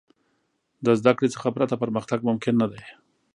د زدهکړې څخه پرته، پرمختګ ممکن نه دی.